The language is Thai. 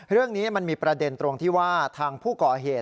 เรื่องนี้มันมีประเด็นตรงที่ว่าทางผู้ก่อเหตุ